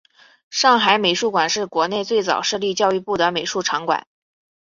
上海美术馆是国内最早设立教育部的美术场馆。